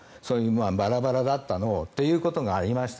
バラバラだったのをということがありました。